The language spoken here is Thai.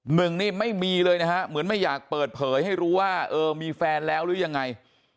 หนึ่งนี่ไม่มีเลยนะฮะเหมือนไม่อยากเปิดเผยให้รู้ว่าเออมีแฟนแล้วหรือยังไง